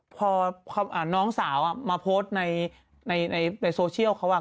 พอน้องสาวมาโพสต์ในโซเชียลเขา